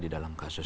di dalam kasus ini